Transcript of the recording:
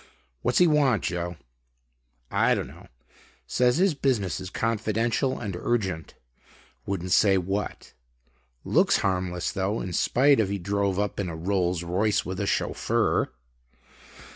"What's he want, Joe?" "I don't know. Says his business is confidential and urgent. Wouldn't say what. Looks harmless though, in spite of he drove up in a Rolls Royce with a chauffeur."